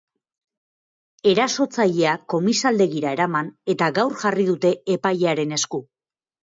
Erasotzailea komisaldegira eraman eta gaur jarri dute epailearen esku.